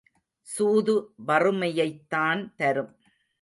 சூது வறுமையைத்தான் தரும்.